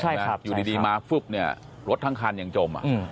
ใช่ครับอยู่ดีมาเนี่ยรถทั้งคันอย่างจมอ่ะอืม